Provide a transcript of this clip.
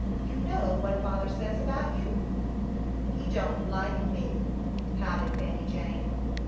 You know what father says about you?" "He don't like me," pouted Fanny Jane.